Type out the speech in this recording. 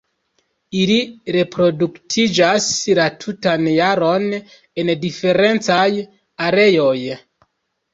Ili reproduktiĝas la tutan jaron en diferencaj areoj.